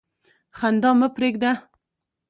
خندا مه پرېږده.